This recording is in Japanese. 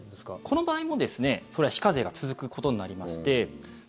この場合も、それは非課税が続くことになりまして。